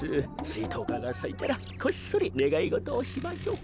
スイトウカがさいたらこっそりねがいごとをしましょう。